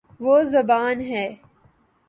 وہ زبا ن ہے